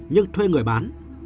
nhưng thuê người bán